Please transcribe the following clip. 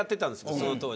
その当時。